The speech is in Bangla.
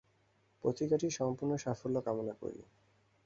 পত্রিকাটির সম্পূর্ণ সাফল্য কামনা করি।